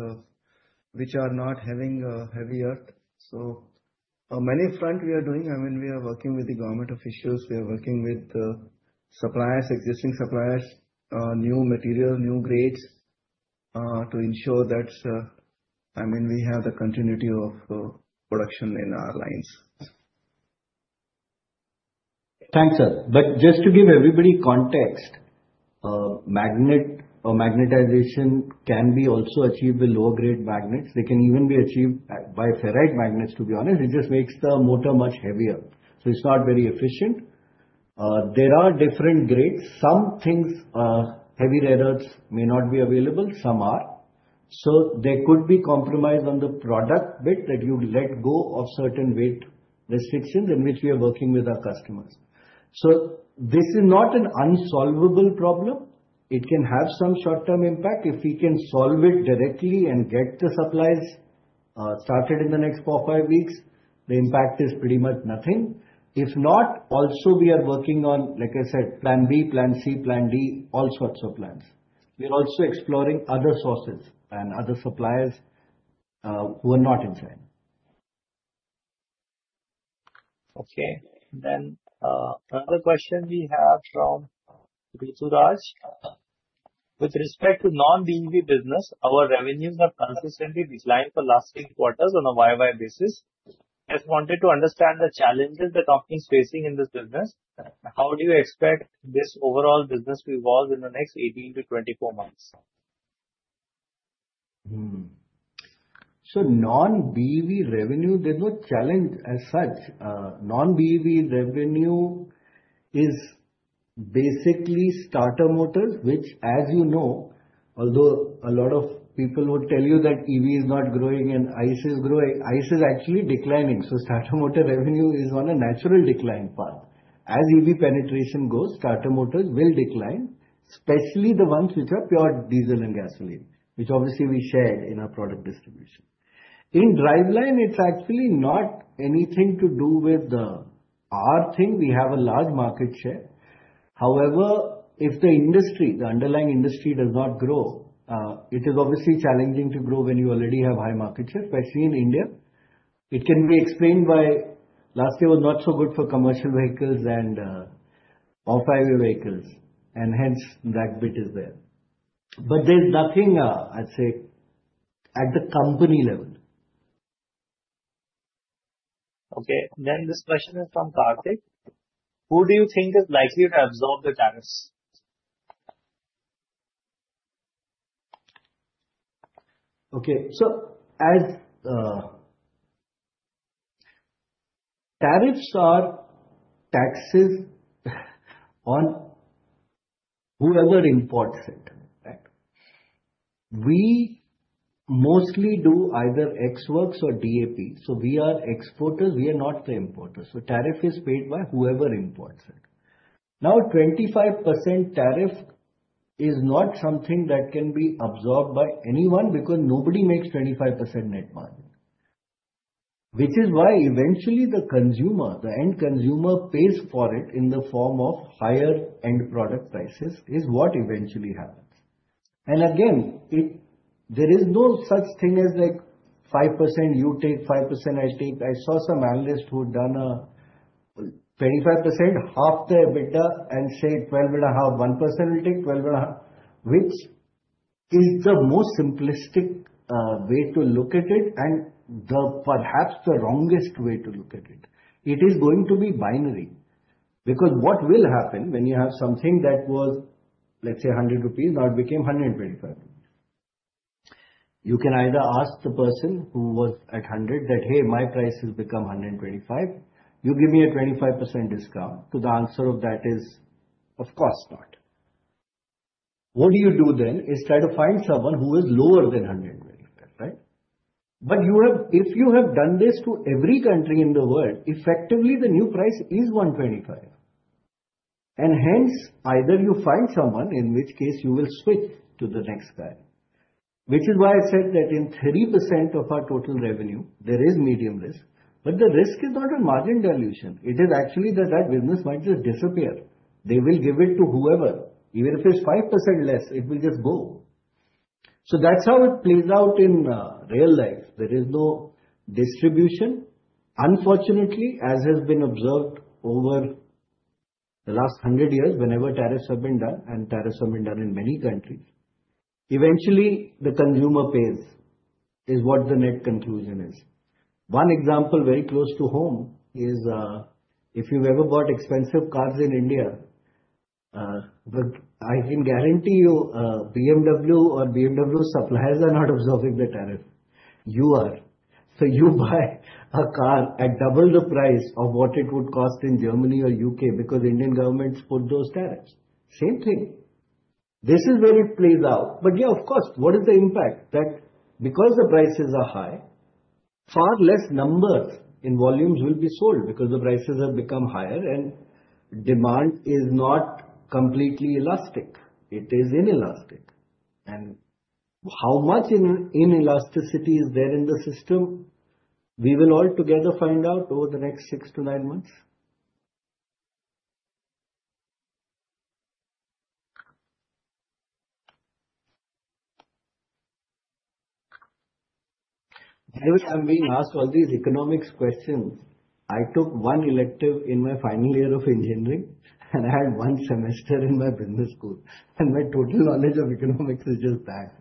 Speaker 7: which are not having heavy rare earths. On many fronts we are doing. I mean, we are working with the government officials. We are working with suppliers, existing suppliers, new material, new grades to ensure that, I mean, we have the continuity of production in our lines.
Speaker 3: Thanks, Sat. Just to give everybody context, magnetization can also be achieved with lower-grade magnets. They can even be achieved by ferrite magnets, to be honest. It just makes the motor much heavier. It is not very efficient. There are different grades. Some things, heavy rare earths may not be available. Some are. There could be compromise on the product bit that you let go of certain weight restrictions in which we are working with our customers. This is not an unsolvable problem. It can have some short-term impact. If we can solve it directly and get the supplies started in the next four-five weeks, the impact is pretty much nothing. If not, also we are working on, like I said, plan B, plan C, plan D, all sorts of plans. We are also exploring other sources and other suppliers who are not in China.
Speaker 2: Okay. Another question we have from Ruturaj. With respect to non-BEV business, our revenues have consistently declined for the last three quarters on a year-on-year basis. I just wanted to understand the challenges that companies are facing in this business. How do you expect this overall business to evolve in the next 18-24 months?
Speaker 3: Non-BEV revenue, there's no challenge as such. Non-BEV revenue is basically starter motors, which, as you know, although a lot of people would tell you that EV is not growing and ICE is growing, ICE is actually declining. So starter motor revenue is on a natural decline path. As EV penetration goes, starter motors will decline, especially the ones which are pure diesel and gasoline, which obviously we share in our product distribution. In driveline, it's actually not anything to do with our thing. We have a large market share. However, if the industry, the underlying industry does not grow, it is obviously challenging to grow when you already have high market share, especially in India. It can be explained by last year was not so good for commercial vehicles and off-highway vehicles, and hence that bit is there. There's nothing, I'd say, at the company level.
Speaker 2: Okay. This question is from Karthik. Who do you think is likely to absorb the tariffs?
Speaker 3: Okay. As tariffs are taxes on whoever imports it, right? We mostly do either EXW or DAP. We are exporters. We are not the importers. Tariff is paid by whoever imports it. Now, 25% tariff is not something that can be absorbed by anyone because nobody makes 25% net margin, which is why eventually the consumer, the end consumer pays for it in the form of higher end product prices is what eventually happens. Again, there is no such thing as like 5% you take, 5% I take. I saw some analyst who had done a 25%, half the EBITDA and say 12.5%, 1% will take 12.5%, which is the most simplistic way to look at it and perhaps the wrongest way to look at it. It is going to be binary because what will happen when you have something that was, let's say, 100 rupees, now it became 125 rupees? You can either ask the person who was at 100 that, "Hey, my price has become 125. You give me a 25% discount." The answer to that is, of course, not. What do you do then? You try to find someone who is lower than 125, right? If you have done this to every country in the world, effectively the new price is 125. Hence, either you find someone, in which case you will switch to the next guy, which is why I said that in 3% of our total revenue, there is medium risk, but the risk is not a margin dilution. It is actually that that business might just disappear. They will give it to whoever. Even if it's 5% less, it will just go. That's how it plays out in real life. There is no distribution. Unfortunately, as has been observed over the last 100 years, whenever tariffs have been done and tariffs have been done in many countries, eventually the consumer pays is what the net conclusion is. One example very close to home is if you've ever bought expensive cars in India, I can guarantee you BMW or BMW suppliers are not absorbing the tariff. You are. You buy a car at double the price of what it would cost in Germany or U.K. because Indian governments put those tariffs. Same thing. This is where it plays out. Of course, what is the impact? That because the prices are high, far less numbers in volumes will be sold because the prices have become higher and demand is not completely elastic. It is inelastic. How much inelasticity is there in the system? We will all together find out over the next six to nine months. Why was I being asked all these economics questions? I took one elective in my final year of engineering, and I had one semester in my business school. My total knowledge of economics is just that.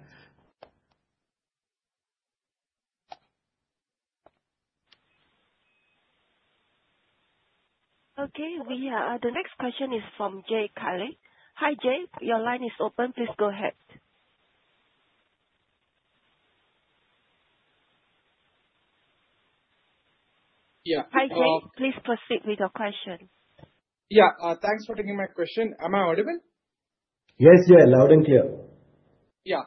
Speaker 1: Okay. The next question is from Jay Kale. Hi, Jay. Your line is open. Please go ahead.
Speaker 8: Yeah.
Speaker 1: Hi, Jay. Please proceed with your question.
Speaker 8: Yeah. Thanks for taking my question. Am I audible?
Speaker 3: Yes, yes. Loud and clear.
Speaker 8: Yeah.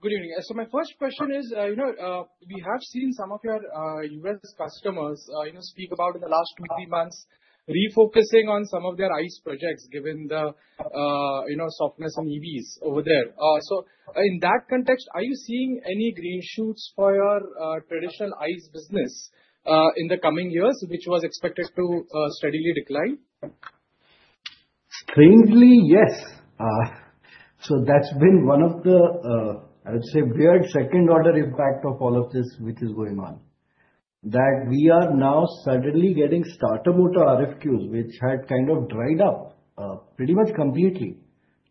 Speaker 8: Good evening. My first question is, we have seen some of your U.S. customers speak about in the last two, three months refocusing on some of their ICE projects given the softness in EVs over there. In that context, are you seeing any green shoots for your traditional ICE business in the coming years, which was expected to steadily decline?
Speaker 3: Strangely, yes. That has been one of the, I would say, weird second-order impact of all of this which is going on, that we are now suddenly getting starter motor RFQs, which had kind of dried up pretty much completely.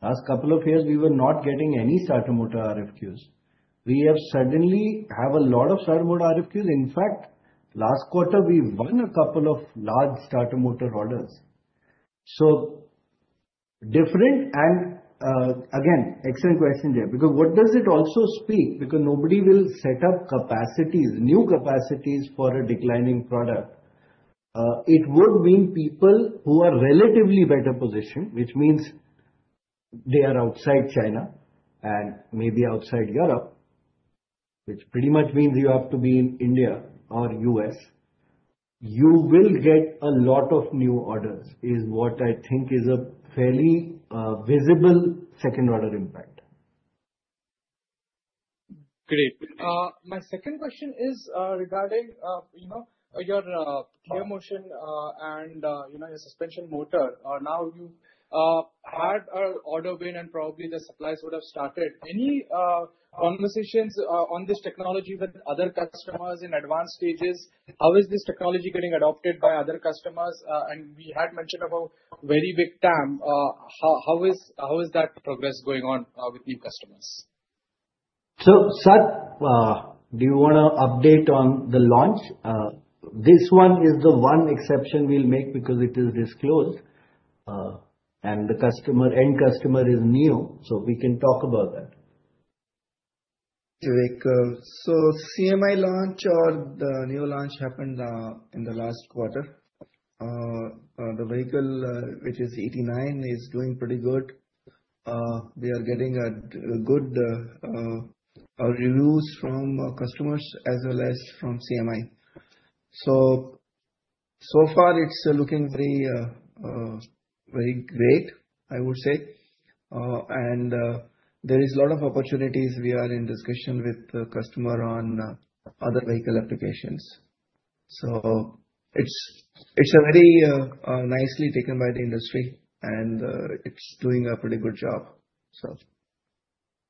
Speaker 3: Last couple of years, we were not getting any starter motor RFQs. We have suddenly have a lot of starter motor RFQs. In fact, last quarter, we won a couple of large starter motor orders. Different and again, excellent question, Jay, because what does it also speak? Because nobody will set up new capacities for a declining product. It would mean people who are relatively better positioned, which means they are outside China and maybe outside Europe, which pretty much means you have to be in India or U.S., you will get a lot of new orders is what I think is a fairly visible second-order impact.
Speaker 8: Great. My second question is regarding your ClearMotion and your suspension motor. Now you had an order win, and probably the supplies would have started. Any conversations on this technology with other customers in advanced stages? How is this technology getting adopted by other customers? We had mentioned about very big TAM. How is that progress going on with new customers?
Speaker 3: Sat, do you want to update on the launch? This one is the one exception we'll make because it is disclosed, and the customer, end customer is new. We can talk about that.
Speaker 7: CMI launch or the new launch happened in the last quarter. The vehicle, which is ET9, is doing pretty good. We are getting good reviews from customers as well as from CMI. So far, it's looking very great, I would say. There is a lot of opportunities. We are in discussion with the customer on other vehicle applications. It's very nicely taken by the industry, and it's doing a pretty good job.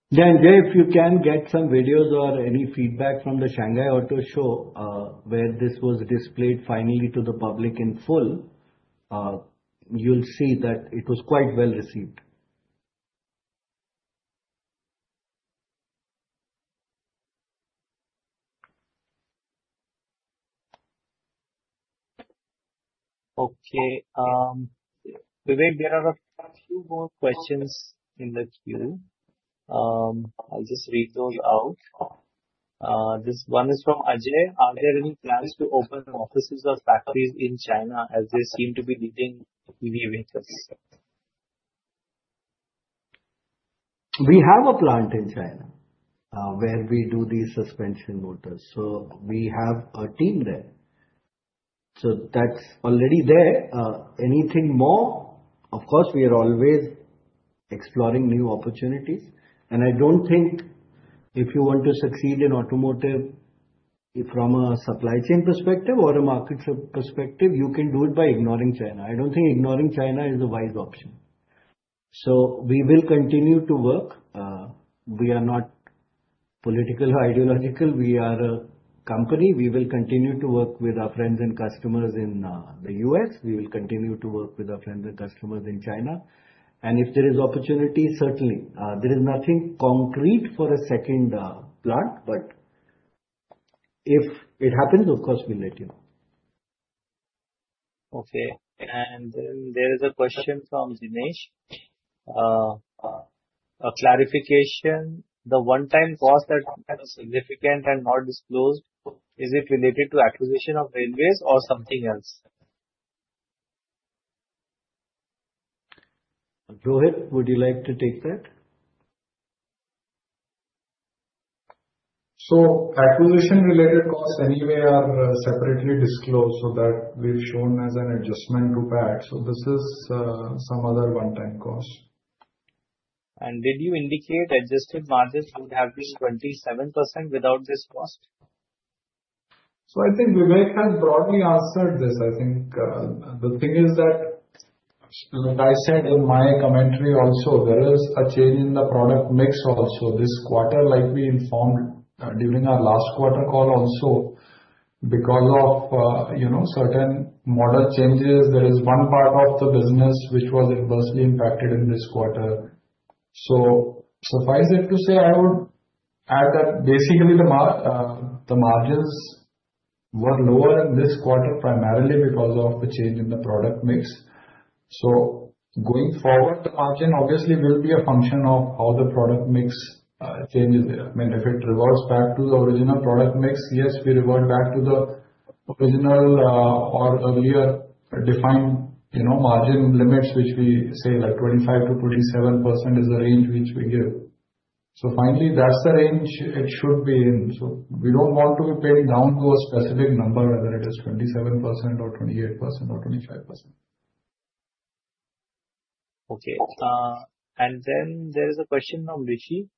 Speaker 3: Yeah. Jay, if you can get some videos or any feedback from the Shanghai Auto Show where this was displayed finally to the public in full, you'll see that it was quite well received.
Speaker 2: Okay. Vivek, there are a few more questions in the queue. I'll just read those out. This one is from Ajay. Are there any plans to open offices or factories in China as they seem to be needing EV vehicles?
Speaker 3: We have a plant in China where we do these suspension motors. We have a team there. That is already there. Anything more? Of course, we are always exploring new opportunities. I do not think if you want to succeed in automotive from a supply chain perspective or a market perspective, you can do it by ignoring China. I do not think ignoring China is a wise option. We will continue to work. We are not political or ideological. We are a company. We will continue to work with our friends and customers in the U.S. We will continue to work with our friends and customers in China. If there is opportunity, certainly. There is nothing concrete for a second plant, but if it happens, of course, we'll let you know.
Speaker 2: Okay. There is a question from Dinesh. A clarification, the one-time cost that is significant and not disclosed, is it related to acquisition of railways or something else?
Speaker 3: Rohit, would you like to take that?
Speaker 5: Acquisition-related costs anyway are separately disclosed so that we've shown as an adjustment to PAT. This is some other one-time cost.
Speaker 2: Did you indicate adjusted margins would have been 27% without this cost?
Speaker 5: I think Vivek has broadly answered this. I think the thing is that, like I said in my commentary also, there is a change in the product mix also this quarter, like we informed during our last quarter call also, because of certain model changes. There is one part of the business which was adversely impacted in this quarter. Suffice it to say I would add that basically the margins were lower in this quarter primarily because of the change in the product mix. Going forward, the margin obviously will be a function of how the product mix changes. I mean, if it reverts back to the original product mix, yes, we revert back to the original or earlier defined margin limits, which we say like 25%-27% is the range which we give. Finally, that's the range it should be in. We do not want to be pinned down to a specific number, whether it is 27% or 28% or 25%.
Speaker 2: Okay. There is a question from Rishi.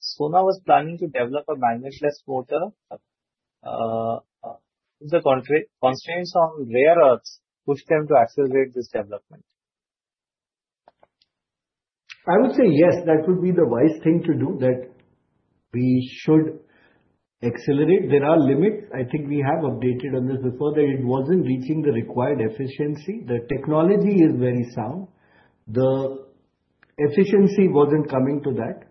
Speaker 2: Sona was planning to develop a magnetless motor. Do the constraints on rare earths push them to accelerate this development?
Speaker 3: I would say yes, that would be the wise thing to do, that we should accelerate. There are limits. I think we have updated on this before. It was not reaching the required efficiency. The technology is very sound. The efficiency was not coming to that.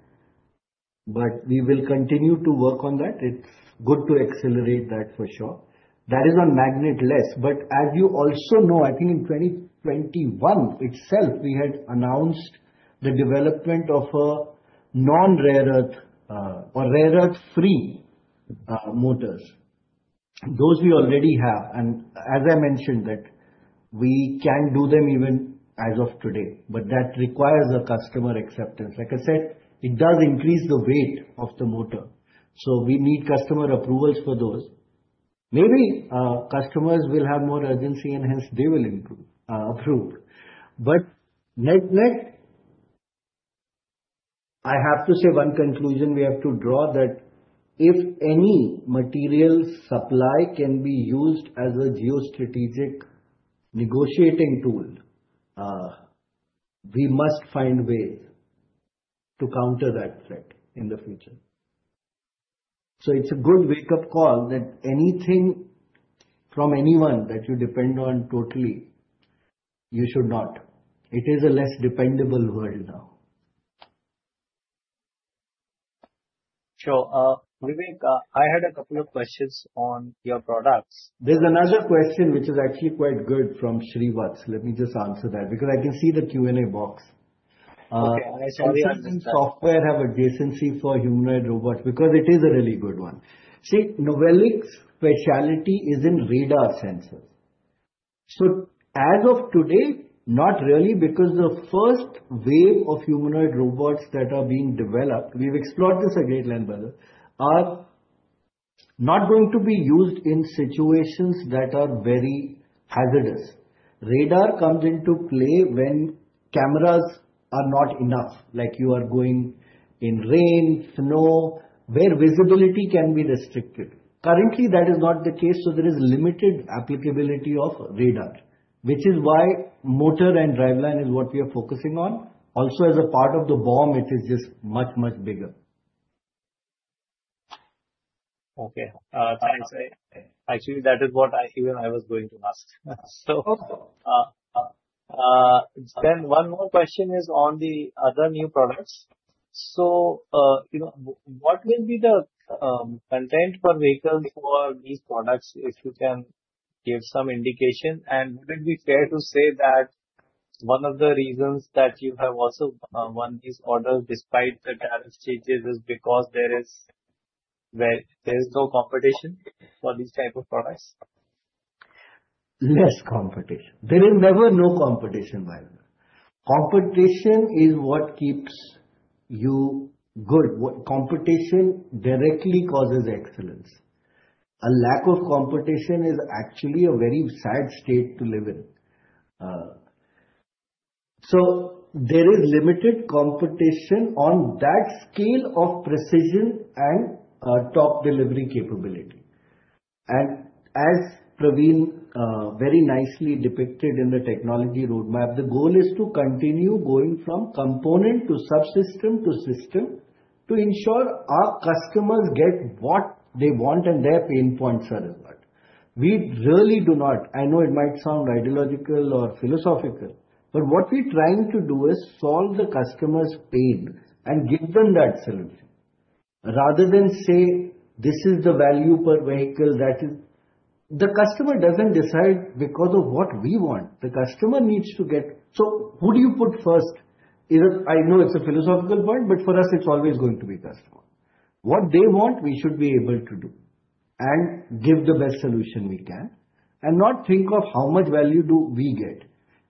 Speaker 3: We will continue to work on that. It is good to accelerate that for sure. That is on magnetless. As you also know, I think in 2021 itself, we had announced the development of non-rare earth or rare earth-free motors. Those we already have. As I mentioned, we can do them even as of today. That requires a customer acceptance. Like I said, it does increase the weight of the motor. We need customer approvals for those. Maybe customers will have more urgency, and hence they will approve. I have to say one conclusion we have to draw is that if any material supply can be used as a geostrategic negotiating tool, we must find ways to counter that threat in the future. It is a good wake-up call that anything from anyone that you depend on totally, you should not. It is a less dependable world now.
Speaker 2: Sure. Vivek, I had a couple of questions on your products.
Speaker 3: There is another question which is actually quite good from Srivathsan. Let me just answer that because I can see the Q&A box. I saw the software have adjacency for humanoid robot because it is a really good one. See, Novelic's specialty is in radar sensors. As of today, not really because the first wave of humanoid robots that are being developed, we've explored this at great length, brother, are not going to be used in situations that are very hazardous. Radar comes into play when cameras are not enough, like you are going in rain, snow, where visibility can be restricted. Currently, that is not the case. There is limited applicability of radar, which is why motor and driveline is what we are focusing on. Also, as a part of the BOM, it is just much, much bigger.
Speaker 2: Actually, that is what I was going to ask. One more question is on the other new products. What will be the content for vehicles for these products, if you can give some indication? Would it be fair to say that one of the reasons that you have also won these orders despite the tariff changes is because there is no competition for these types of products?
Speaker 3: Less competition. There is never no competition, my friend. Competition is what keeps you good. Competition directly causes excellence. A lack of competition is actually a very sad state to live in. There is limited competition on that scale of precision and top delivery capability. As Praveen very nicely depicted in the technology roadmap, the goal is to continue going from component to subsystem to system to ensure our customers get what they want and their pain points are addressed. We really do not. I know it might sound ideological or philosophical, but what we're trying to do is solve the customer's pain and give them that solution rather than say, "This is the value per vehicle that is." The customer doesn't decide because of what we want. The customer needs to get. Who do you put first? I know it's a philosophical point, but for us, it's always going to be customer. What they want, we should be able to do and give the best solution we can and not think of how much value do we get.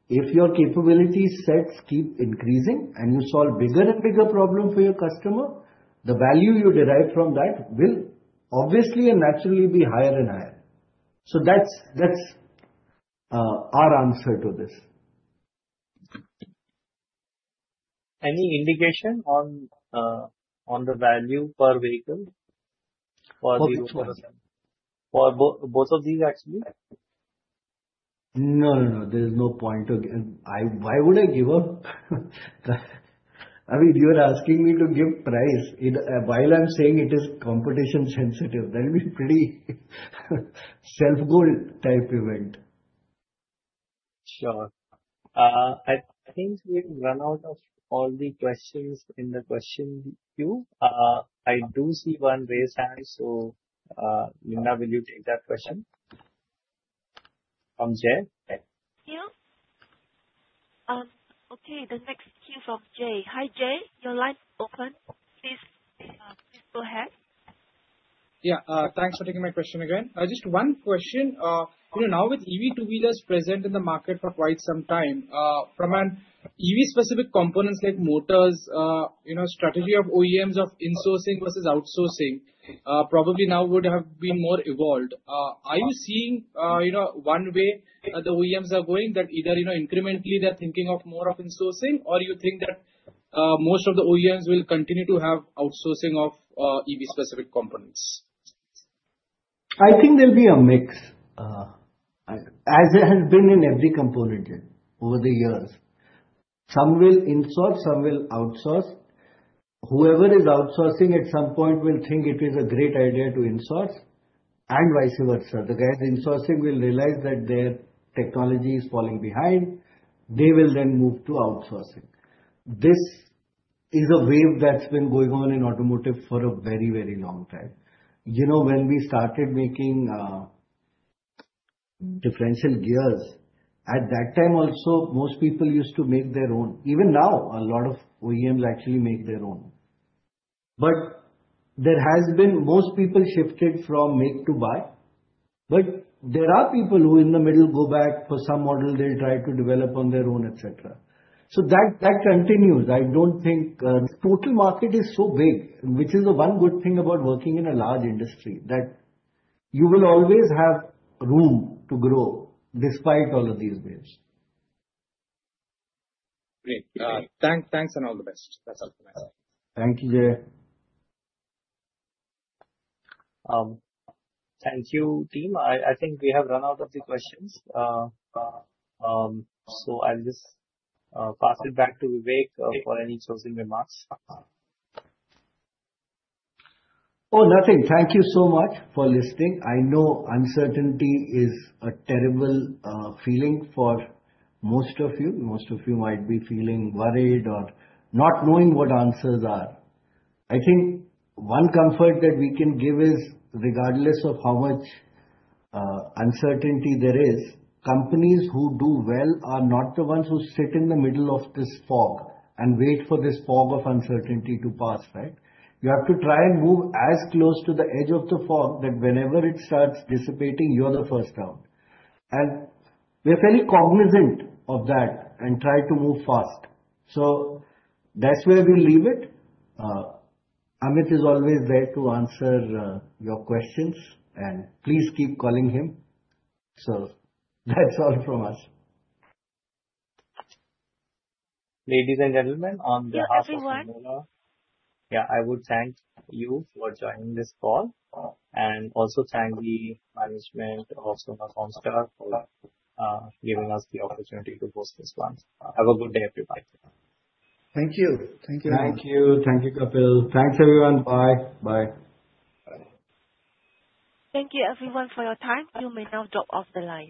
Speaker 3: If your capability sets keep increasing and you solve bigger and bigger problems for your customer, the value you derive from that will obviously and naturally be higher and higher. That's our answer to this.
Speaker 2: Any indication on the value per vehicle for both of these, actually?
Speaker 3: No, no, no. There is no point. Why would I give up? I mean, you are asking me to give price while I'm saying it is competition-sensitive. That would be pretty self-goal type event.
Speaker 2: Sure. I think we've run out of all the questions in the question queue. I do see one raised hand. Linda, will you take that question from Jay?
Speaker 1: Thank you. Okay. The next queue from Jay. Hi, Jay. Your line open. Please go ahead.
Speaker 8: Yeah. Thanks for taking my question again. Just one question. Now with EV two-wheelers present in the market for quite some time, from an EV-specific components like motors, strategy of OEMs of insourcing versus outsourcing probably now would have been more evolved. Are you seeing one way the OEMs are going that either incrementally they're thinking of more of insourcing, or you think that most of the OEMs will continue to have outsourcing of EV-specific components?
Speaker 3: I think there'll be a mix. As it has been in every component over the years, some will insource, some will outsource. Whoever is outsourcing at some point will think it is a great idea to insource and vice versa. The guys insourcing will realize that their technology is falling behind. They will then move to outsourcing. This is a wave that's been going on in automotive for a very, very long time. When we started making differential gears, at that time also, most people used to make their own. Even now, a lot of OEMs actually make their own. There has been most people shifted from make to buy. There are people who in the middle go back for some model, they'll try to develop on their own, etc. That continues. I do not think the total market is so big, which is the one good thing about working in a large industry, that you will always have room to grow despite all of these waves.
Speaker 8: Great. Thanks and all the best. That is all from me.
Speaker 3: Thank you, Jay.
Speaker 2: Thank you, team. I think we have run out of the questions. I will just pass it back to Vivek for any closing remarks.
Speaker 3: Oh, nothing. Thank you so much for listening. I know uncertainty is a terrible feeling for most of you. Most of you might be feeling worried or not knowing what answers are. I think one comfort that we can give is, regardless of how much uncertainty there is, companies who do well are not the ones who sit in the middle of this fog and wait for this fog of uncertainty to pass, right? You have to try and move as close to the edge of the fog that whenever it starts dissipating, you're the first out. We are fairly cognizant of that and try to move fast. That is where we will leave it. Amit is always there to answer your questions. Please keep calling him. That is all from us.
Speaker 2: Ladies and gentlemen, on behalf of Sona Comstar, I would thank you for joining this call and also thank the management of Sona Comstar for giving us the opportunity to host this one. Have a good day, everybody.
Speaker 3: Thank you.
Speaker 4: Thank you.
Speaker 7: Thank you.
Speaker 5: Thank you, Kapil.
Speaker 2: Thanks, everyone. Bye.
Speaker 3: Bye.
Speaker 1: Thank you, everyone, for your time. You may now drop off the line.